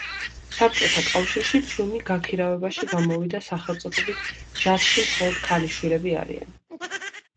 საბჭოთა კავშირში ფილმი გაქირავებაში გამოვიდა სახელწოდებით „ჯაზში მხოლოდ ქალიშვილები არიან“.